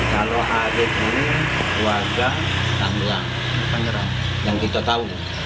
kalau arief ini warga tahliang penyerang yang kita tahu